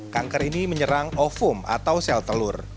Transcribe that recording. kanker ini menyerang ofum atau sel telur